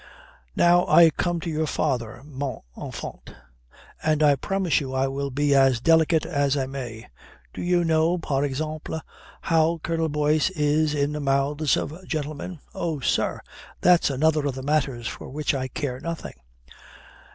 "Now I come to your father, mon enfant, and I promise you I will be as delicate as I may. Do you know, par exemple, how Colonel Boyce is in the mouths of gentlemen?" "Oh, sir, that's another of the matters for which I care nothing."